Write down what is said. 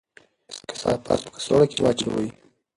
کثافات په کڅوړه کې واچوئ.